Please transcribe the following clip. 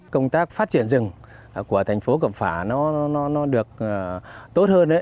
công tác phát triển rừng của thành phố cẩm phả nó được tốt hơn